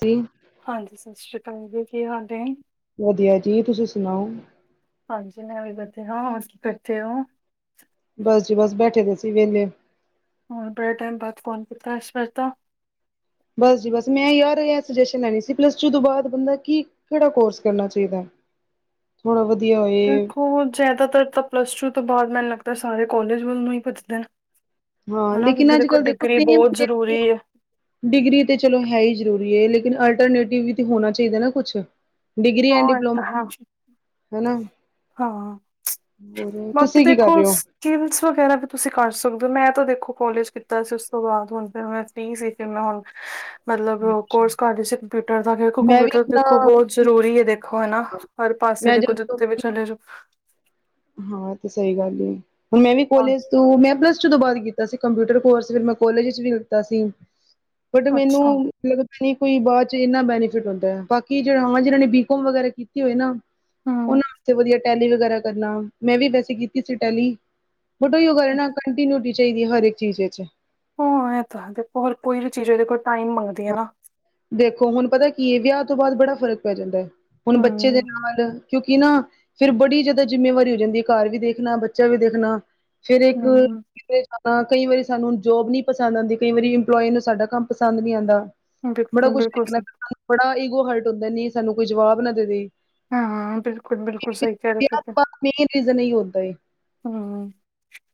ਜ [inaudible] ਹਾਂਜੀ, ਸਾਸ ਸ਼੍ਰੀ ਕਾਲ ਜੀ, ਕੀ ਹਾਲ ਏ? ਵਧੀਆ ਜੀ ਤੁਸੀ ਸੁਨਾਓ? ਹਾਂਜੀ, ਮੈਂ ਵਧੀਆ ਹਾਂ-ਹਾਂ ਹੋ ਕੀ ਕਰਦੇ ਓ? ਬਸ ਜੀ, ਬਸ ਬੈਠੇ ਦੇ ਸੀ ਵੇਲੇ। ਹੁਨ ਬੜੇ ਟੈਮ ਬਾਦ ਫੋਨ ਕੀਤਾ, ਇਸ ਵਾਰ ਤਾਂ। ਬਸ ਜੀ ਬਸ, ਮੈਂ ਯਾਰ ਐ ਸੁਜੈਸਨ ਲੈਨੀ ਸੀ, ਪਲੱਸ -ਟੂ ਤੋ ਬਾਦ ਬੰਦਾ ਕੀ ਕੇੜਾ ਕੋਰਸ ਕਰਨਾ ਚਾਈਦਾ ਏ। [inaudible] ਥੋੜਾ ਵਧੀਆ ਹੋਏ। ਦੇਖੋ ਜਾਦਾਤਰ ਤਾਂ ਪਲੱਸ -ਟੂ ਤੋਂ ਬਾਦ ਮੈਨੂੰ ਲੱਗਦਾ, ਸਾਰੇ ਕੋਲਜ ਵੱਲ ਨੂ ਈ ਭੱਜਦੇ ਨੇ। ਹਾਂ ਹਨਾ ਲੇਕਿਨ ਕਿਉਂਕਿ ਅੱਜ ਕੱਲ੍ਹ ਦੇਖੋ ਡਿਗਰੀ ਬਹੁਤ ਜ਼ਰੂਰੀ ਏ। ਡਿਗਰੀ ਤਾਂ ਚਲੋ ਹੈ ਈ ਜ਼ਰੂਰੀ ਏ ਲੇਕਿਨ ਅਲਟਰਨੇਟਿਵ ਵੀ ਹੋਨਾ ਚਾਈਦਾ ਨਾ ਕੁਛ। ਡਿਗਰੀ ਐਂਡ ਹਾਂ, ਇਹ ਡਿਪਲੋਮ ਤਾਂ ਹੈ। ਨਾ ਹਾਂ ਬਾਕੀ ਤੁਸੀਂ ਕੀ ਕਰ ਦੇਖੋ ਰਹੇ ਹੋ ਕੀਵਸ ਵਗੈਰਾ ਵੀ ਤੁਸੀਂ ਕਾਰ ਸਕਦੇ ੳ। ਮੈਂ ਤਾਂ ਦੇਖੋ ਕੋਲਜ ਕੀਤਾ ਸੀ ਉਸ ਤੋਂ ਬਾਦ ਹੁਨ ਫੇਰ ਮੈਂ ਫ੍ਰੀ ਸੀ ਕਿ ਮੈਂ ਹੁਨ [inaudible] ਮਤਲਬ ਅੱਛਾ, ਕੋਰਸ ਕਰ ਰੀ ਸੀ ਕੰਪਿਊਟਰ ਦਾ ਦੇਖੋ, ਮੈਂ ਵੀ ਕੰਪਿਊਟਰ ਦੇਖੋ ਆਪਣਾ ਬੋਤ ਜਰੂਰੀ ਐ ਦੇਖੋ। ਕੋਈ ਨਾ ਹਰ ਪਾਸੇ ਮੈਂ ਦੇਖੋ, ਜਦੋਂ ਜਿੱਥੇ ਵੀ ਚਲੇ ਜਾਉ ਹਾਂ, ਉਹ ਤੇ ਸਈ ਗੱਲ ਐ ਹੁਣ ਮੈਂ ਵੀ ਹਾਂ, ਕੋਲੇਜ ਤੂੰ ਪਲੱਸ ਟੁ ਤੋਂ ਬਾਦ ਕੀਤਾ ਸੀ ਕੰਪਿਊਟਰ ਕੋਰਸ, ਫੇਰ ਮੈਂ ਕੋਲਜ ਚ ਵੀ ਲਿੱਤਾ ਸੀ। ਬਟ, ਮੈਨੂੰ ਅੱਛਾ। ਲਗ ਬਈ ਕੋਈ ਬਾਦ ਚ ਇੰਨਾ ਬੈਨੀਫਿਟ ਹੁੰਦਾਏ ਬਾਕੀ ਜਿਨ੍ਹਾਂ ਨੇ ਹਾਂ, ਜਿਨਾਂ ਨੇ ਬੀਕੋਮ ਵਗੈਰਾ ਕੀਤੀ ਹੋਏ ਨਾ ਉਹਨਾਂ ਹੂੰ, ਵਾਸਤੇ ਵਧੀਆ ਟੈਲੀ ਵਗੈਰਾ ਕਰਨਾ, ਮੈਂ ਵੀ ਵੈਸੇ ਕੀਤੀ ਸੀ ਟੈਲੀ। ਬਟ ਓਈਓ ਗੱਲਾਂ ਏ ਨਾਂ ਕੰਟੀਿਨਿਊਟੀ ਹੋਣੀ ਚਾਈਦੀ ਹਰ ਏਕ ਚੀਜ ਚ। ਹੋਂ ਐ ਤਾਂ ਦੇਖੋ, ਹਰ ਕੋਈ ਵੀ ਚੀਜ ਓਦੇ ਕੋਲ ਟਾਈਮ ਮੰਗਦੀ ਏ ਨਾ ਦੇਖੋ, ਹੁਣ ਪਤਾ ਕੀ ਏ ਵਿਯਾ ਤੋਂ ਬਾਦ ਬੜਾ ਫਰਕ ਪੈ ਜਾਂਦੈ ਹੁਣ, ਬੱਚੇ ਦੇ ਹੂੰ, ਨਾਲ ਕਿਉਂਕਿ ਕਿ ਨਾ ਫਿਰ ਬੜੀ ਜਾਦਾ ਜਿੰਮੇਵਾਰੀ ਹੋ ਜਾਂਦੀਏ ਘਰ ਵੀ ਦੇਖਨਾਂ, ਬੱਚਾ ਵੀ ਦੇਖਨਾ ਫੇਰ ਏਕ ਹੂੰ ਕਿਥੇ ਹਾਂ, ਕਈ ਵਾਰੀ ਸਾਨੂੰ ਜੋਬ ਨੀ ਪਸੰਦ ਆਂਦੀ, ਕਈ ਇੰਪਲੋਈ ਸਾਡਾ ਕੰਮ ਪਸੰਦ ਨੀ ਆਂਦਾ। ਬੜਾ ਬਿਲਕੁਲ, ਕੁਛ ਬਿਲਕੁਲ ਦੇਖਣਾ ਸਹੀ ਪੈਂਦਾ ਬੜਾ ਈਗੋ ਹਰਟ ਹੁੰਦੈ ਨਈਂ ਸਾਨੂੰ ਕੋਈ ਜਵਾਬ ਨਾ ਦੇਦੇ। ਹਾਂ, ਬਿਲਕੁਲ-ਬਿਲਕੁਲ, ਸਈ ਕੈ ਰੇ ਤੁਸੀ। ਤੋਂ ਬਾਅਦ ਮੇਨ ਰੀਜਨ ਏਈਓ ਹੁੰਦਾ ਏ। ਹੂੰ।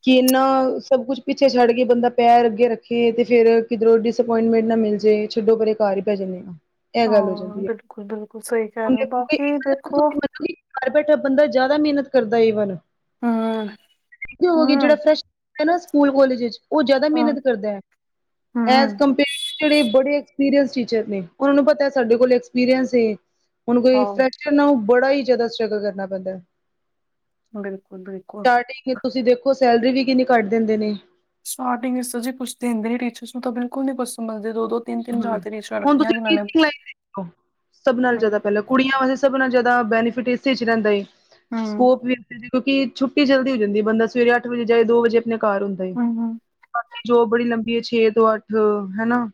ਕਿ ਇੰਨਾ ਸਭ ਕੁਛ ਪਿੱਛੇ ਛੱਡ ਕੇ ਬੰਦਾ ਪੈਰ ਅੱਗੇ ਰੱਖੇ ਤੇ ਫੇਰ ਕਿਧਰੋਂ ਡਿਸਪੋਇੰਟਮੈਂਟ ਨਾ ਮਿਲ ਜੇ। ਛੱਡੋ ਪਰੇ ਘਰ ਹੀ ਬੈ ਜਾਂਨੇ ਆ। ਇਹ ਗੱਲ ਹੋ ਹਾਂ, ਜਾਂਦੀ ਹੈ। ਬਿਲਕੁਲ-ਬਿਲਕੁਲ ਸਈ ਕੈ ਹੁਣ ਰੇਓ ਦੇਖੋਗੇ ਬਾਕੀ ਦੇਖੋ ਤੁਸੀਂ ਮੰਨੋਗੇ ਘਰ ਬੈਠਾ ਬੰਦਾ ਜਾਦਾ ਮੇਨਤ ਕਰਦਾ ਏ ਈਵਨ ਹੋ ਹੂੰ, ਵੇਖਦੇ ਓ ਜੇੜਾ ਹਾਂ, ਫਰੈਸ਼ ਨਾ ਸਕੂਲ ਕੋਲੇਜ ਚ ਓ ਜਾਦਾ ਮੇਨਤ ਹੂੰ। ਕਰਦੈ ਐਜ ਕੰਪੇਅਰ ਟੁ ਜੇੜੇ ਬੜੇ ਐਕਸਪੀਰੀਐਂਸ ਟੀਚਰ ਨੇ, ਓਨਾਂ ਨੂੰ ਪਤੈ ਸਾਡੇ ਕੋਲ ਐਕਸਪੀਰੀਐਂਸ ਏ। ਹੁਣ ਕੋਈ ਹਾਂ, ਫਰੈਕਚਰ ਨਾ ਬੜਾ ਹੀ ਜਾਦਾ ਸਟ੍ਰਗਲ ਕਰਨਾ ਪੈਂਦੈ। ਬਿਲਕੁਲ, ਬਿਲਕੁਲ ਸਟਾਰਟਿੰਗ ਚ ਤੁਸੀਂ ਦੇਖੋ, ਸੈਲਰੀ ਵੀ ਕਿੰਨੀ ਘੱਟ ਦਿੰਦੇ ਨੇ। ਸਟਾਰਟਿੰਗ ਚ ਜੀ ਕੂਛ ਦਿੰਦੇ ਹੀਨੀ, ਟੀਚਰਸ ਨੂੰ ਤਾਂ ਬਿਲਕੁਲ ਨੀ ਪਸੰਦ ਆਂਦੀ ਦੋ-ਦੋ ਤਿੰਨ-ਤਿੰਨ ਹਾਂ ਹਜ਼ਾਰ ਤੇ ਟੀਚਰਾਂ ਹੁਣ ਰੱਖੀਆਂ ਤੁਸੀਂ ਜਿਨ੍ਹਾਂ ਨੇ ਟੀਚਿੰਗ ਲਾਈਨ ਦੇਖਲੋ ਸਭ ਨਾਲ ਹੂੰ, ਜਾਦਾ ਪੈਲਾਂ ਕੁੜੀਆਂ ਵਾਸਤੇ ਸਭ ਨਾਲ ਜਾਦਾ ਬੈਨੀਫਿਟ ਇਸੇ ਚ ਰੈਂਦਾ ਏ ਹੂੰ, ਹੂੰ, ਸਕੋਪ ਵੀ ਕਿਉਂਕਿ ਛੁੱਟੀ ਜਲਦੀ ਜਾਂਦੀਏ। ਬੰਦਾ ਅੱਠ ਵਜੇ ਜਾਏ ਦੋ ਵਜੇ ਅਪਨੇ ਘਰ ਹੁੰਦਾਏ। ਹੂੰ ਬਾਕੀ ਜੋਬ ਬੜੀ ਲੰਬੀ ਏ ਛੇ ਤੋਂ ਅੱਠ, ਹਨਾ।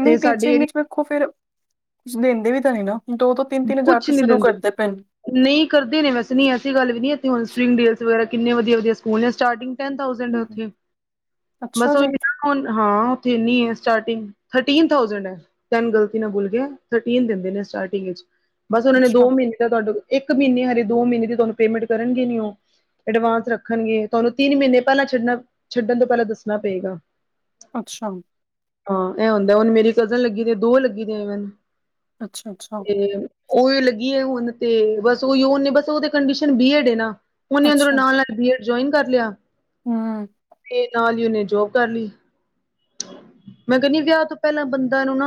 ਨਈਂ ਤੇ ਸਾਡੇ ਟੀਚਿੰਗ ਵਿੱਚ ਏਰੀਏ ਵੇਖੋ ਫਿਰ ਕੁੱਛ ਦਿੰਦੇ ਵੀ ਤਾਂ ਨਈਂ ਨਾ। ਦੋ ਤੋਂ ਤਿੰਨ ਤਿੰਨ ਹਜ਼ਾਰ ਕੁਛ ਨੀਂ ਸ਼ੁਰੂ ਦਿੰਦੇ। ਕਰਦੇ ਪਏ ਨੇ ਨਈਂ ਕਰਦੇ ਨੇ ਵੈਸੇ ਨਈਂ ਐਸੀ ਗੱਲ ਵੀ ਨਈ, ਐਥੇ ਹੁਣ ਸਪਰਿੰਗ ਡੇਲਸ ਵਗੈਰਾ ਕਿੰਨੇ ਵਧੀਆ-ਵਧੀਆ ਸਕੂਲ ਨੇ ਸਟਾਰਟਿੰਗ ਟੈਨ ਥਾਉਸੈਨੰਦ ਹੂੰ ਅਰਨਿੰਗ ਅੱਛਾ ਬਸ ਉਹੀ ਜੀ ਨਾ। ਹਾਂ, ਓਥੇ ਇਨੀ ਐ ਸਟਾਰਟਿੰਗ, ਥਰਟੀਨ ਥਾਊਜੈਂਡ ਐ। ਟੈਨ ਗਲਤੀ ਨਾਲ ਬੁਲ ਗਿਆ, ਥਰਟੀਨ ਦਿੰਦੇ ਨੇ ਸਟਾਰਟਿੰਗ ਵਿੱਚ। ਬਸ ਓਨਾ ਨੇ ਅੱਛਾ ਦੋ ਮੀਨੇ ਦਾ ਤੁਆਨੂੰ ਇੱਕ ਮੀਨੇ ਹਰੇ ਦੋ ਮੀਨੇ ਦੀ ਤੁਆਨੂੰ ਪੇਮੈਂਟ ਕਰਨਗੇ ਨੀ ਓ। ਐਡਵਾਂਸ ਰੱਖਣਗੇ ਤੁਆਨੂੰ ਤੀਨ ਮੀਨੇ ਪੈਲਾਂ ਛੱਡਣ ਛੱਡਣ ਤੋਂ ਪੈਲਾਂ ਦੱਸਣਾ ਪਏਗਾ। ਅੱਛਾ। ਹਾਂ, ਐ ਹੁੰਦਾ ਹੁਣ ਮੇਰੀ ਕਜ਼ਨ ਲੱਗੀ ਦੇ, ਦੋ ਲੱਗੀ ਦੀਏ ਈਵਨ ਅੱਛਾ ਅੱਛਾ ਤੇ ਓਈ ਲੱਗੀਏ ਹੁਣ ਤੇ ਬਸ ਓਈ ਬਸ ਓ ਕੰਡੀਸ਼ਨ ਬੀਐਡ ਏ ਨਾ। ਓਨੇ ਅੰਦਰੋਂ ਅੱਛਾ ਨਾਲ-ਨਾਲ ਬੀਏਡ ਜੋਇਨ ਕਰ ਲੇਆ। ਹੂੰ। ਤੇ ਨਾਲ ਈ ਓ ਨੇ ਜੋਬ ਕਰਲੀ। ਮੈਂ ਕੈਂਦੀ ਆਂ ਵਿਯਾ ਤੋਂ ਪੈਲਾਂ ਬੰਦਾ ਨੂੰ ਨਾ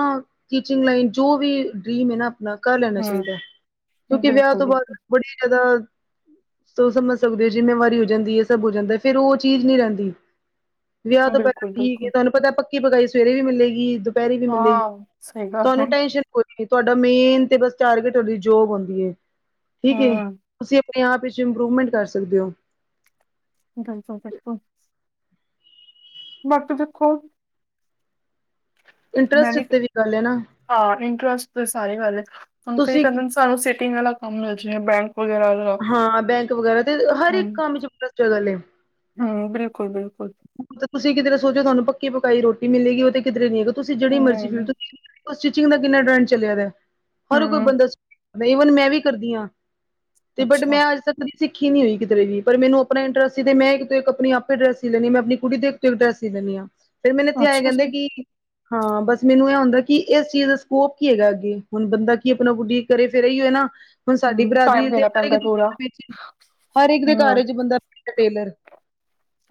ਟੀਚਿੰਗ ਲਾਈਨ ਜੋ ਵੀ ਡਰੀਮ ਏ ਨਾ ਨਾਕਾ ਲੈਨਾ ਚਾਈਦੈ, ਹੂੰ ਕਿਓਂਕਿ ਵਿਆਅ ਬਿਲਕੁਲ ਤੋਂ ਬਾਦ ਬਿਲਕੁਲ ਬੜੀ ਜਾਦਾ, ਤੋ ਸਮਜ ਸਕਦੇ ਜਿੰਮੇਵਾਰੀ ਹੋ ਜਾਂਦੀ ਏ ਸਬ ਹੋ ਜਾਂਦਾ ਫੇਰ ਓ ਚੀਜ਼ ਨੀ ਰੈਂਦੀ, ਵਿਆਅ ਹਾਂ, ਤੋਂ ਪੈਲਾਂ ਬਿਲਕੁਲ ਠੀਕ ਐ ਬਿਲਕੁਲ ਤੁਆਨੂੰ ਪਤਾ ਪੱਕੀ-ਪਕਾਈ ਸਵੇਰੇ ਵੀ ਮਿਲੇਗੀ ਦੁ ਦੁਪੈਰੇ ਵੀ ਮਿਲੇਗੀ, ਹਾਂ ਸਹੀ ਗੱਲ ਹੈ ਤੁਆਨੂੰ ਟੈਂਸ਼ਨ ਖੁਦ ਤੁਆਡਾ ਮੇਨ ਤੇ ਬਸ ਟਾਰਗੇਟ ਤੁਆਡੀ ਜੋਬ ਹੁੰਦੀ ਏ, ਠੀਕ ਏ ਹੂੰ ਤੁਸੀਂ ਆਪ ਆਪਨੇ ਆਪ ਵਿੱਚ ਇੰਪਰੂਵਮੈਂਟ ਕਰ ਸਕਦੇ ਓਂ। ਗਲਫਾ ਬੈਟ ਕੋ ਮਤ ਦੇਖੋ ਮੈਂ ਇੰਟਰਸਟ ਵੀ, ਉੱਤੇ ਗੱਲ ਹੈ ਨਾ ਹਾਂ ਇੰਟਰਸਟ ਤਾਂ ਸਾਰੇ ਕਰਲੇ ਤੁਸੀਂ [unintelligible] ਤਆਨੂੰ ਸਿਟਿੰਗ ਆਲਾ ਕੰਮ ਮਿਲਜੇਗਾ ਬੈਂਕ ਵਗੈਰਾ ਦਾ। ਹਾਂ ਬੈਂਕ ਵਗੈਰਾ ਤੇ ਹਰ ਇੱਕ ਕੰਮ ਚ ਇੰਟਰਸਟ। [unintelligible] ਹੂੰ, ਬਿਲਕੁਲ-ਬਿਲਕੁਲ। ਤੁਸੀਂ ਕਿਦਰੇ ਸੋਚੋ ਤਾਨੂੰ ਪੱਕੀ-ਪਕਾਈ ਰੋਟੀ ਮਿਲੇਗੀ ਓ ਤੇ ਕਿਦਰੇ ਨੀ ਹੈਗਾ ਤੁਸੀਂ ਜੇੜੀ ਨਹੀਂ ਮਰਜ਼ੀ ਫੀ ਨਹੀਂ ਆ ਸਟਿਚਿੰਗ ਦਾ ਕਿੰਨਾ ਟਰੈਂਡ ਚਲੇਆ ਵਾ, ਹਰ ਕੋਈ ਹੂੰ ਬੰਦਾ ਈਵਨ ਮੈਂ ਵੀ ਕਰਦੀ ਆਂ। ਤੇ ਬਟ ਅੱਛਾ ਮੈਂ ਅੱਜ ਤੱਕ ਸਿੱਖੀ ਨੀ ਹੋਈ ਕਿਦਰੇ ਵੀ ਪਰ ਮੈਨੂੰ ਆਪਨਾ ਇੰਟਰਸਟ ਸੀ ਤੇ ਮੈਂ ਇਕ ਤੋਂ ਇਕ ਆਪਨੀ ਆਪੇ ਡਰੈੱਸ ਸੀ ਲੈਨੀ ਆਂ ਮੈਂ ਆਪਨੀ ਕੁੜੀ ਦੇ ਉਤੇ ਇੱਕ ਡਰੈੱਸ ਲੈਂਨੀ ਆ, ਫਿਰ ਮੈਨੂੰ ਏਥੇ ਐਂ ਅੱਛਾ ਜੀ ਕੈਂਦੇ ਕੀ ਹਾਂ ਬਸ ਮੈਨੂੰ ਐ ਹੁੰਦਾ ਕੀ ਇਸ ਚੀਜ਼ ਦਾ ਸਕੋਪ ਕੀ ਹੈਗਾ ਅੱਗੇ ਹੁਨ ਬੰਦਾ ਕੀ ਆਪਨਾ ਬੁੱਢੀ ਘਰੇ ਫਿਰ ਏਈਓ ਨਾ ਹੁਨ ਸਾਡੀ ਹੂੰ ਬਰਾਦਰੀ ਟਾਈਮ [unintelligible] ਦੇਣਾ ਹਰ ਘਰ ਪੈਂਦਾ ਪੂਰਾ ਵਿੱਚ ਹਰ ਇੱਕ ਦੇ ਹੂੰ ਘਰ ਚ ਬੰਦਾ ਟੇਲਰ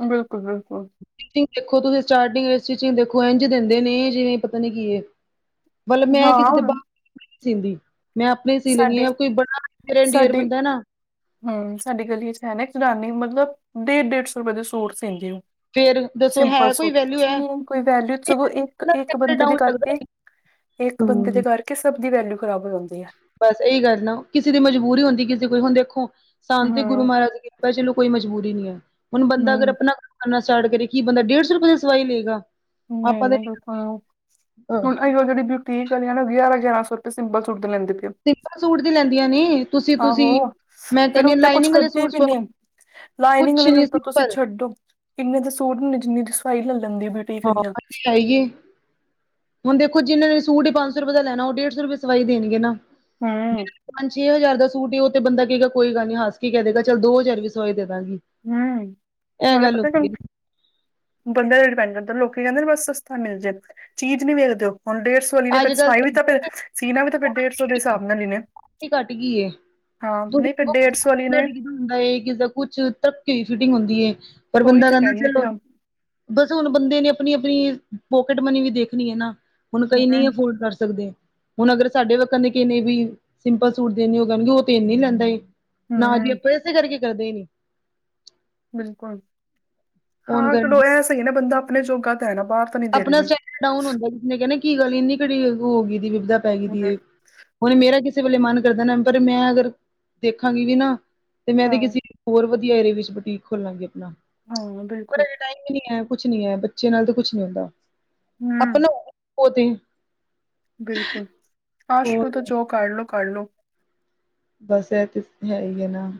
ਬਿਲਕੁਲ-ਬਿਲਕੁਲ। ਫੀਟਿੰਗ ਦੇਖੋ ਤੁਸੀਂ ਸਟਾਟਿੰਗ ਵਿੱਚ ਸਟੀਚਿੰਗ ਦੇਖੋ ਇੰਝ ਦਿੰਦੇ ਨੇ ਜਿਵੇ ਪਤਾ ਨੀ ਕੀ ਏ। ਬਲ ਮੈਂ ਕਿਸੇ ਹਾਂ ਦੇ ਬਾਰ ਦੇ [unintelligible] ਨੀ ਸੀਂਦੀ। ਮੈਂ ਆਪਨੇ ਸੀ ਲੈਨੀ ਸਾਡੇ ਆਂ, ਕੋਈ ਬੜਾ ਨੀਅਰ ਡੀਅਰ ਸਾਡੀ ਬੰਦਾ ਨਾ ਹੂੰ ਸਾਡੀ ਗਲੀ ਚ ਹੈ ਨਾ ਇਕ ਜਨਾਨੀ ਮਤਲਬ ਡੇਢ-ਡੇਢ ਸੌ ਰੁਪਏ ਦੇ ਸੂਟ ਸੀਂਦੀ ਓ। ਫੇਰ ਦੱਸੋ ਸਿੰਪਲ ਹੈ ਕੋਈ ਸੂਟ, ਵੈਲਿਊ ਹੈ ਕੋਈ ਵੈਲਿਊ ਸਗੋਂ ਇੱਕ-ਇੱਕ ਸੈਟਲ ਬੰਦੇ ਡਾਊਨ ਦੇ ਲੱਗਦਾ ਕਰਕੇ ਏ। ਇੱਕ ਬੰਦੇ ਦੇ ਹੂੰ। ਕਰਕੇ ਸਭ ਦੀ ਵੈਲਿਊ ਖ਼ਰਾਬ ਹੋ ਜਾਂਦੀ ਐ। ਬਸ ਏਈ ਗੱਲ ਨਾ ਕਿਸੇ ਦੀ ਮਜਬੂਰੀ ਹੁੰਦੀ ਕਿਸੇ ਦੀ ਕੋਈ, ਹੁਨ ਦੇਖੋ ਸਾਂਤੀ ਗੁਰੂ ਹੂੰ, ਮਾਰਾਜ ਕੀ ਪਰ ਚਲੋ ਕੋਈ ਮਜਬੂਰੀ ਨੀ ਐ, ਹੁਨ ਬੰਦਾ ਅਗਰ ਹੂੰ, ਆਪਨਾ ਕਰਨਾ ਸਟਾਟ ਕਰੇ ਕੀ ਬੰਦਾ ਡੇਢ ਸੌ ਰੁਪਏ ਦਾ ਸਵਾਈ ਲਏਗਾ। ਆਪਾਂ [unintelligible] ਤੇ ਬਿਲਕੁਲ ਹੁਨ ਏਈਓ ਜੇੜੀ ਬਿਲ ਬੁਟੀਕ ਆਲੀਆਂ ਨਾ ਵੀ ਹਜ਼ਾਰ-ਹਜ਼ਾਰ ਰਪਈਆ ਸਿੰਪਲ ਸੂਟ ਦੇ ਲੈਂਦੀ ਪਈ ਓ। ਸਿੰਪਲ ਸੂਟ ਦੀ ਲੈਂਦੀਆਂ ਨੇ। ਤੁਸੀਂ ਤੁਸੀਂ ਆਹੋ, ਮੈਂ ਫਿਰ ਕਹਿੰਦੀ ਹਾਂ ਉਤੇ ਕੁਛ ਲਾਈਨਿੰਗ ਵਾਲੇ ਕਰਦੇ ਸੂਟ ਵੀ ਸਵਾ ਨਈਂ। ਲਾਈਨਿੰਗ ਕੁਛ ਨੂੰ ਨੀ ਤੇ ਤੁਸੀਂ ਸਿੰਪਲ ਛੱਡੋ, ਇੰਨੇ ਦਾ ਸੂਟ ਨਈ ਜਿੰਨੀ ਦੀ ਸਵਾਈ ਲੈ ਲੈਂਦੀ ਓ ਹਾਂ। ਚਾਈਏ, ਹੁਨ ਦੇਖੋ ਜਿਨਾਂ ਨੇ ਸੂਟ ਪੰਜ ਸੌ ਰੁਪਏ ਦਾ ਲੈਨਾ ਓ ਡੇਢ ਸੌ ਰੁਪਏ ਸਵਾਈ ਦੇਨਗੇ ਨਾ। ਹੂੰ, ਪੰਜ ਹਜ਼ਾਰ ਦਾ ਸੂਟ ਏ ਓ ਤੇ ਬੰਦਾ ਕਏਗਾ ਕੋਈ ਗੱਲ ਨੀ ਹੱਸ ਕੇ ਕੈ ਦੇਗਾ ਚੱਲ ਦੋ ਹਜ਼ਾਰ ਵੀ ਸਵਾਈ ਦੇਂਦਾ ਗੀ। ਹੂੰ, ਨਾਲੇ ਪਤਾ ਤਾਨੂੰ ਬੰਦਿਆਂ ਦਾ ਡਿਪੈਂਡ ਕਰਦਾ ਲੋਕੀ ਕੈਂਦੇ ਨੇ ਬਸ ਸਸਤਾ ਮਿਲ ਜੇ, ਚੀਜ਼ ਨੀ ਵੇਖਦੇ ਓ ਹੁਨ ਡੇਡ ਸੋ [unintelligible] ਅੱਜ ਫਿਰ ਕੱਲ ਸਲਾਈ ਵੀ ਤੇ ਤਾਂ ਫਿਰ ਸੀਨਾ ਵੀ ਤਾਂ ਫਿਰ ਡੇਢ ਸੌ ਦੇ ਹਿਸਾਬ ਨਾਲ ਈ ਨਾ ਘੱਟ ਗਈ ਏ ਹਾਂ ਨਈਂ ਇਕ ਡੇਢ ਸੌ ਆਲੀ ਨੇ ਹੁੰਦਾ ਏ ਕਿਸੇ ਦਾ ਕੁਛ ਧੱਕੇ ਦੀ ਫਿਟਿੰਗ ਹੁੰਦੀ ਏ, ਪਰ ਉਹੀ ਬੰਦਾ ਤਾਂ ਕੈਂਦਾ ਕਹਿੰਦੇ ਪਏ ਚਲੋ ਹਾਂ ਬਸ ਹੁਨ ਬੰਦੇ ਨੇ ਆਪਨੀ-ਆਪਨੀ ਪੋਕਟ ਮਨੀ ਵੀ ਦੇਖਨੀ ਐ ਨਾ। ਕੋਈ ਨੀ ਹੂੰ ਅਫੋਰਡ ਕਰ ਸਕਦੇ। ਹੁਣ ਅਗਰ ਸਾਡੇ ਲੋਕਾ ਨੇ ਕਿੰਨੇ ਵੀ ਸਿੰਪਲ ਸੂਟ ਦੇਣੇ ਜਾਣਗੇ ਉਹ ਤੇ ਇੰਨੇ ਲੈਂਦੇ ਨਾ ਜੀ ਹੂੰ ਆਪਾਂ ਇਸੇ ਕਰਕੇ ਕਰਦੇ ਨੀ। ਬਿਲਕੁਲ, ਫੋਨ ਹਾਂ ਕਰਨ ਚਲੋ ਇਹ ਸਹੀ ਨਾ ਬੰਦਾ ਆਪਣੇ ਜੋਗਾ ਤਾਂ ਹੈ ਨਾ ਬਾਹਰ ਤਾਂ ਨਹੀਂ ਦੇ ਰਹੇ ਆਪਣਾ ਹਨ ਸਟੈਂਡਰਡ ਡਾਊਨ ਹੁੰਦਾ ਜੀ, ਕਿਸ ਨੇ ਕਹਿਣਾ ਕੀ ਗੱਲ ਇੰਨੀ ਕਿਹੜੀ ਹੋ ਗਈ ਵਿਭਦਾ ਪੈ ਗਈ ਸੀ ਇਹ ਹੁਣ ਮੇਰਾ ਕਿਸੇ ਵੇਲੇ ਮਨ ਕਰਦਾ ਨਾ ਪਰ ਮੈਂ ਅਗਰ ਦੇਖਾਂਗੀ ਵੀ ਨੀ ਨਾ ਤੇ ਮੈਂ ਤੇ ਹਾਂ ਕਿਸੀ- ਹੋਰ ਵਧੀਆਂ ਏਰੇ ਵਿੱਚ ਬੁਟੀਕ ਖੋਲਾਂਗੀ ਆਪਣਾ। ਹਾਂ ਪਰ ਬਿਲਕੁਲ‌। ਹਜੇ ਟਾਈਮ ਈ ਨੀ ਕੁਛ ਨੀ ਐ, ਬੱਚੇ ਨਾਲ਼ ਤੇ ਕੁਛ ਨੀ ਹੁੰਦਾ, ਹੂੰ ਆਪਣਾ [unintelligible] ਓ ਤੇ ਬਿਲਕੁਲ, ਆਸ਼ਟੂ ਹੋਰ ਤੋ ਜੋ ਕਰ ਲੋ ਕਰ ਲੋ ਬਸ ਏ ਤੇ ਹੈ ਈ ਏ ਨਾ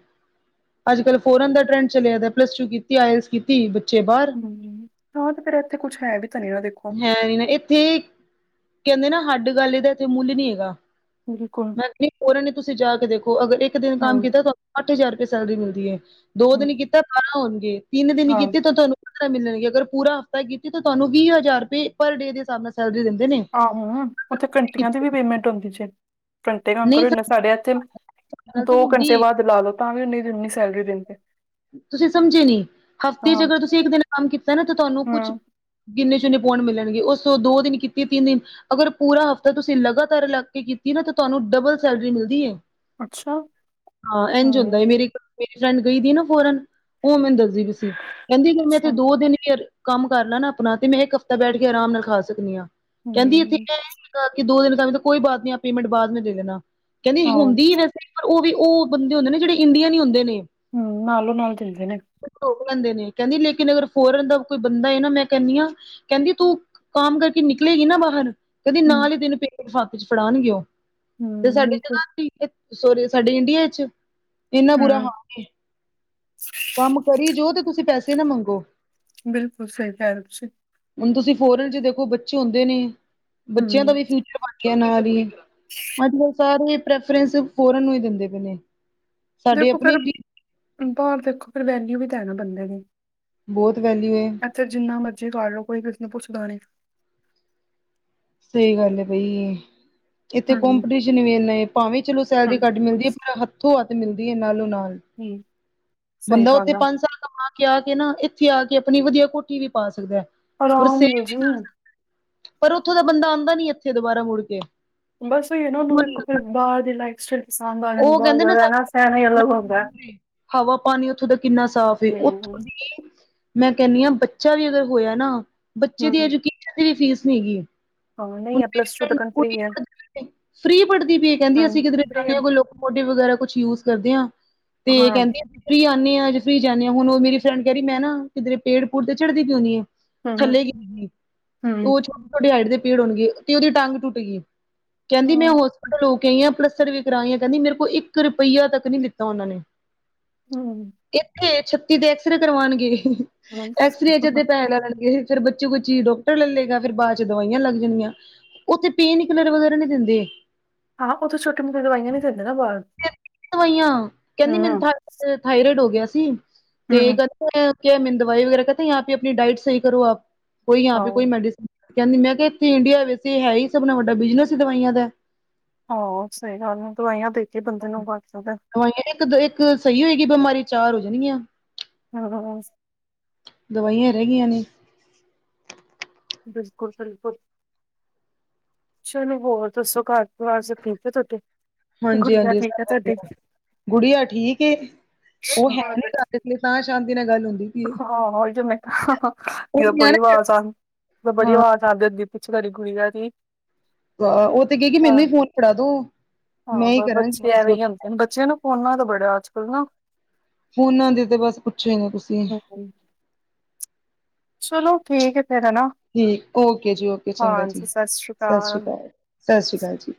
ਅੱਜ-ਕੱਲ੍ਹ ਫੋਰਨ ਦਾ ਟਰੈਂਡ ਚਲਿਆ ਦਾ ਪਲੱਸ ਟੂ ਕੀਤੀ ਆਈਲੈਸ ਕੀਤੀ ਬੱਚੇ ਬਾਰ। ਹੂੰ ਹਾਂ ਤੇ ਫ਼ੇਰ ਇੱਥੇ ਕੁੱਛ ਹੈ ਵੀ ਤਾਂ ਨੀ ਦੇ ਹੈਂ ਨੀ ਨਾ ਇੱਥੇ ਕਹਿੰਦੇ ਨਾ ਹੱਡ ਗੱਲ ਦਾ ਇਹ ਦਾ ਇੱਥੇ ਮੁੱਲ ਨੀ ਹੈਗਾ ਬਿਲਕੁਲ ਬਲ ਕੇ ਫ਼ੋਰਨ ਚ ਤੁਸੀਂ ਜਾ ਕੇ ਦੇਖੋਂ ਅਗਰ ਇੱਕ ਦਿਨ ਹਾਂ ਕੰਮ ਕੀਤਾ ਤੁ ਅੱਠ ਹਜ਼ਾਰ ਰੁਪਏ ਸੈਲਰੀ ਮਿਲਦੀ ਏ, ਦੋ ਹਾਂ ਦਿਨ ਕੀਤਾ ਬਾਰਾਂ ਹੋਣਗੇ ਤਿੰਨ ਦਿਨ ਹਾਂ ਕੀਤੀ ਤਾਂ ਤੁਹਾਨੂੰ ਮਿਲਣਗੇ ਅਗਰ ਪੂਰਾ ਹਫ਼ਤਾ ਕੀਤੀ ਤਾਂ ਤੁਹਾਨੂੰ ਵੀਹ ਹਜ਼ਾਰ ਰੁਪਏ ਪਰ ਡੇ ਦੇ ਸਾਬ ਨਾਲ਼ ਸੈਲਰੀ ਦਿੰਦੇ ਨੇ। ਆਹੋ ਉੱਥੇ ਘੰਟੀਆਂ ਦੀ ਵੀ ਪੇਮੈਂਟ ਹੁੰਦੀ ਜੇ। ਘੰਟੇ ਕੰਮ ਨਹੀਂ ਕਰੋ ਨਾ ਸਰ ਸਾਡੇ ਇੱਥੇ, ਗੱਲ ਤੇ ਦੋ ਹੁੰਦੀ ਘੰਟੇ ਏ ਵੱਧ ਲਾ ਲਓ ਤਾਂ ਵੀ ਓਨੀ ਦੀ ਓਨੀ ਸੈਲਰੀ ਦਿੰਦੇ। ਤੁਸੀਂ ਸਮਝੇ ਨੀ ਹਫ਼ਤੇ ਚ ਹਾਂ ਅਗਰ ਤੁਸੀਂ ਇੱਕ ਦਿਨ ਕੰਮ ਕੀਤਾ ਨਾ ਤਾਂ ਤੁਹਾਨੂੰ ਕੁਛ ਹਮ ਗਿੰਨੇ ਚੁਣੇ ਪਾਉਂਡ ਮਿਲਣਗੇ, ਉਹ ਸੋ ਦੋ ਦਿਨ ਕੀਤੀ ਤਿੰਨ ਦਿਨ ਅਗਰ ਪੂਰਾ ਹਫ਼ਤਾ ਤੁਸੀਂ ਲਗਾਤਾਰ ਲੱਗ ਕੇ ਕੀਤੀ ਨਾ ਤਾਂ ਤੁਹਾਨੂੰ ਡਬਲ ਸੈਲਰੀ ਮਿਲਦੀ ਏ। ਅੱਛਾ ਹਾਂ ਇੰਝ ਹੁੰਦਾ ਹਮ ਏ ਮੇਰੀ ਇੱਕ ਮੇਰੀ ਫਰੈਂਡ ਗਈ ਪੀ ਨਾ ਫੋਰਨ ਉਹ ਮੈਨੂੰ ਦੱਸਦੀ ਵੀ ਸੀ ਕਹਿੰਦੀ ਕਿ ਮੈਂ ਇਥੇ ਅੱਛਾ ਦੋ ਦਿਨ ਯਾ ਕੰਮ ਕਰ ਲਾ ਨਾ ਆਪਣਾ ਤੇ ਮੈਂ ਇੱਕ ਹਫ਼ਤਾ ਬੈਠ ਕੇ ਆਰਾਮ ਨਾਲ ਖਾ ਸਕਦੀ ਆ, ਕਹਿੰਦੀ ਇੱਥੇ ਹਮ ਐ ਨੀ ਕੀ ਦੋ ਦਿਨ ਤਾ ਵੀ ਤਾਂ ਕੋਈ ਬਾਤ ਨੀ ਆਪ ਪੇਮੈਂਟ ਬਾਅਦ ਮੇਂ ਲੈ ਲੈਣਾ ਕਹਿੰਦੀ ਹਾਂ ਹਮ ਹੁੰਦੀ ਵੈਸੇ ਪਰ ਉਹ ਵੀ ਉਹ ਬੰਦੇ ਹੁੰਦੇ ਨੇ ਜਿਹੜੇ ਇੰਡੀਅਨ ਈ ਹੁੰਦੇ ਨੇ ਹੂ ਨਾਲੇ-ਨਾਲ ਚੱਲਦੇ ਨੇ ਓ ਰੋਕ ਲੈਂਦੇ ਨੇ ਕਹਿੰਦੀ ਲੇਕਿਨ ਅਗਰ ਫੋਰਨ ਦਾ ਕੋਈ ਬੰਦਾ ਏ ਨਾ ਮੈਂ ਕਹਿੰਨੀ ਆ ਕਹਿੰਦੀ ਤੂੰ ਕਾਮ ਕਰਕੇ ਨਿਕਲੇਗੀ ਨਾ ਬਾਹਰ ਕਹਿੰਦੀ ਹਮ ਨਾਲ ਹੀ ਤੈਨੂੰ ਪੇਮੈਂਟ ਹੱਥ ਚ ਫੜਾਣਗੇ ਓ, ਤੇ ਹਮ ਸਾਡੇ ਚ ਨ ਬਿਲਕੁਲ ਆ ਅਤ ਸੌਰੀ ਸਾਡੇ ਇੰਡੀਆ ਚ, ਇੰਨਾ ਬੁਰਾ ਹਮ ਹਾਲ ਏ ਕੰਮ ਕਰੀ ਜਾਉ ਤੇ ਤੁਸੀਂ ਪੈਸੇ ਨਾ ਮੰਗੋ। ਬਿਲਕੁਲ ਸਹੀ ਕਹਿ ਰਹੇ ਓ ਤੁਸੀ। ਹੁਣ ਤੁਸੀਂ ਫੋਰਨ ਚ ਦੇਖੋ ਬੱਚੇ ਹੁੰਦੇ ਨੇ ਬੱਚਿਆਂ ਦਾ ਹਮ ਵੀ ਫਿਊਚਰ ਬਣ [unintelligible] ਵੀ ਅੱਜ ਕੱਲ੍ਹ ਸਾਰੇ ਪ੍ਰੈਫਰੈਂਸ ਫੋਰਨ ਨੂੰ ਈ ਦਿੰਦੇ ਪਏ ਨੇ। ਸਾਡੀ ਦੇਖੋ ਆਪਣੀ ਫਿਰ ਬਾਹਰ ਦੇਖੋ ਫਿਰ ਵੈਲਿਊ ਵੀ ਤਾਂ ਹੈ ਨਾ ਬੰਦੇ ਦੀ। ਬੋਤ ਵੈਲਿਊ ਏ। ਇੱਥੇ ਜਿੰਨਾ ਮਰਜ਼ੀ ਕਰ ਲੋ ਕੋਈ ਕਿਸੇ ਨੂੰ ਪੁੱਛਦਾ ਨੀ। ਸਹੀ ਗੱਲ ਆ ਬਈ ਏ। ਇੱਥੇ ਹਮ ਕੋਂਪੀਟੀਸ਼ਨ ਵੀ ਏਨਾ ਏ ਭਾਵੇਂ ਚਲੋ ਸੈਲਰੀ ਹਮ ਘੱਟ ਮਿਲਦੀ ਐ, ਪਰ ਹੱਥੋਂ-ਹੱਥ ਮਿਲਦੀ ਐ ਨਾਲੋਂ-ਨਾਲ। ਹੂੰ। ਬੰਦਾ ਉੱਥੇ ਪੰਜ ਸਾਲ ਕਮਾ ਕੇ ਆ ਕੇ ਨਾ ਇੱਥੇ ਆ ਕੇ ਆਪਣੀ ਵਧੀਆ ਕੋਠੀ ਵੀ ਪਾ ਸਕਦਾ। ਹੋਰ ਆਰਾਮ ਸੇਵ ਨਾਲ਼ ਵੀ ਜੀ। ਕਰ ਸਕਦਾ ਪਰ ਓਥੋ ਦਾ ਬੰਦਾ ਆਂਦਾ ਨੀ ਐਥੇ ਦੁਬਾਰਾ ਮੁੜ ਕੇ। ਬਸ ਓਈਓ ਨਾ ਓਹਨੂੰ ਵੇਖੋ ਫੇਰ ਬਾਰ ਦੇ ਲਾਈਫ ਸਟਾਈਲ। ਪਸੰਦ ਆ ਜਾਂਦੀ ਓ ਬਹੁਤ ਕੇਂਦੇ ਨੇ ਜ਼ਿਆਦਾ ਰਹਿਣਾ ਸਹਿਣਾ ਹੀ ਅਲੱਗ ਹੁੰਦਾ ਹੈ। [unintelligible] ਹਵਾ ਪਾਨੀ ਓਥੋਂ ਦਾ ਕਿੰਨਾ ਸਾਫ਼। ਤੇ ਓਥੋ ਹੂੰ ਦੀ ਮੈਂ ਕੇਂਨੀ ਆ ਬੱਚਾ ਵੀ ਅਗਰ ਹੋਆ ਨਾ ਬੱਚੇ ਦੀ ਹੂੰ ਐਜੂਕੇਸ਼ਨ ਦੀ ਵੀ ਫੀਸ ਨੀ ਹੈਗੀ। ਹਾਂ ਨਹੀਂ ਹੈ ਪਲੱਸ ਟੂ ਤੱਕ ਫ੍ਰੀ ਹੈ [unintelligible] ਫ੍ਰੀ ਪੜਦੀ ਪਈ ਏ ਹਾਂ ਕੇਂਦੀ ਅਸੀ ਕਿਧਰੇ ਫ੍ਰੀ ਹੈ ਜਾਂਨੇ ਕੋਈ ਕੋਡੀ ਵਗੈਰਾ ਕੁਛ ਯੂਜ਼ ਕਰਦੇ ਆ ਤੇ ਹਾਂ ਕੈਂਦੀ ਐ ਫਰੀ ਆਂਨੇ ਆ ਅੱਜ ਫਰੀ ਜਾਂਨੇ ਹੁਨ ਓ ਮੇਰੀ ਫਰੈਂਡ ਕੇ ਰੀ ਮੈਂ ਨਾ ਕਿਧਰੇ ਪੇੜ- ਪੂੜ ਤੇ ਚੜਦੀ ਪਈ ਹੋਨੀ ਏ। ਹੂੰ ਹੂੰ ਥੱਲੇ ਗਿਰ ਗੀ ਓ ਛੋਟੇ ਛੋਟੇ ਹਾਈਟ ਦੇ ਪੇੜ ਹੋਨਗੇ ਓਦੀ ਟੰਗ ਟੁੱਟ ਗੀ। ਕੇਂਦੀ ਮੈਂ ਹਾਂ ਹੋਸਪੀਟਲ ਹੋ ਕੇ ਆਈ ਆ ਪਲਸਤਰ ਵੀ ਕਰਾ ਆਈ ਆ ਕੈਂਦੀ ਮੇਰੇ ਕੋਲ ਇੱਕ ਰੁਪਈਆ ਤੱਕ ਨੀ ਲਿਤਾ ਓਨਾ ਨੇ। ਹੂੰ। ਐਥੇ ਛੱਤੀ ਦੇ ਐਕਸਰੇ ਕਰਵਾਂਨਗੇ ਹਾਂ ਐਕਸਰੇ ਚ ਅੱਧੇ ਪੈਸੇ ਲੈ ਲੇਂਗੇ। ਫੇਰ ਬੱਚੀ ਕੋਇ ਚੀਜ ਡੋਕਟਰ ਲੈ ਲੇਗਾ ਫੇਰ ਬਾਦ ਚ ਦਵਾਈਆਂ ਲੱਗ ਜਨਗੀਆਂ। ਓਥੇ ਪੇਨ ਕੀਲਰ ਵਗੈਰਾ ਨੀ ਦਿੰਦੇ। ਹਾਂ ਓਥੋ ਛੋਟੋ ਮੋਟ ਦਵਾਈਆਂ ਨੀ ਦੇਂਦੇ ਨਾ ਬਾਰ ਹੂੰ। ਥਾਈਰਈਡ ਹੋ ਗਆ ਸੀ ਤੇ ਹੂੰ ਕਦ ਕਆ ਮਿੰਨ ਦਵਾਈ ਵਗੈਰਾ ਕੇ ਤੇ ਯਾ ਪੇ ਅਪਨੀ ਡਾਈਟ ਵਗੈਰਾ ਸਹੀ ਕਰੋ ਆਪ ਕੋਈ ਯਾਹਾ ਹਾਂ ਪੇ ਕੋਈ ਮੈਡੀਸੀਨ ਕੈਂਦੀ ਮੈਂ ਕਯਾ ਐਥੇ ਇੰਡੀਆ ਵਿੱਚ ਤੇ ਹੇ ਹੀ ਸਭ ਨਾਲ ਵੱਡਾ ਬਿਜਨਸ ਹੀ ਦਵਾਈਆਂ ਦਾ ਐ। ਹਾ ਸਹੀ ਗੱਲ ਐ ਦਵਾਈਆਂ ਦੇਕੇ ਬੰਦੇ ਨੂੰ ਵੱਧ ਸਕਦੈ। ਦਵਾਈਆਂ ਇੱਕ ਇੱਕ ਸਹੀ ਹੋਏਗੀ ਬਿਮਾਰੀ ਚਾਰ ਹੋ ਜਨਗੀਆਂ। ਹਾਂ। ਦਵਾਇਆਂ ਰੇ ਗਈਯਾ ਨੇ ਬਿਲਕੁਲ ਬਿਲਕੁਲ। ਚਲੋ ਹੋਰ ਦੱਸੋ ਘਾਰ ਪਰਵਾਰ ਸਭ ਠੀਕ ਐ ਤੁਆਡੇ? ਹਾਂਜੀ ਹਾਂਜੀ ਸਬ ਵਧੀਆ ਗੁੜੀਆ ਠੀਕ ਏ ਓ ਹੈ ਤੁਹਾਡੀ ਨੀ ਘਰ। ਤੇ ਤਾ ਸ਼ਾਂਤੀ ਨਾਲ ਗੱਲ ਹੁੰਦੀ। ਪਈ ਏ ਹਾਂ ਓਇ ਤੇ ਮੈਂ ਉਹ ਕਾ ਬੜੀ ਨਿਆਣੇ ਵਾਜ ਆਂ ਬੜੀ ਹਾਂ ਵਾਜ ਆਗੇ ਦੀ ਪਿੱਛੇ ਤਾਡੀ ਗੁੜੀਯਾ ਦੀ ਹਾ ਓ ਤੇ ਕੇ ਗੀ ਮੈਨੂੰ ਈ ਹਾਂ ਫੋਨ ਫੜਾ ਦੋ ਮੈਂ ਈ ਕਰਾਂਗੀ ਬਸ ਹੋਰ ਐਨੂੰ ਬੱਚਿਆਂ ਨੂੰ ਫੋਨਾ ਦਾ ਬੜਾ ਅੱਜ ਕਲ ਨਾ ਫੋਨਾ ਦੀ ਤੇ ਬਸ ਪੁੱਛੋ ਈ ਨਾ ਤੁਸੀ। ਹੂੰ। ਚਲੋ ਠੀਕ ਏ ਫੇਰ ਹਨਾ। ਠੀਕ ਓਕੇ ਜੀ, ਓਕੇ ਚੰਗਾ ਜੀ ਹਾਂਜੀ ਸਤਿ ਸ੍ਰੀ ਅਕਾਲ ਸਸਰੀ ਕਾਲ- ਸਸਰੀ ਕਾਲ ਜੀ।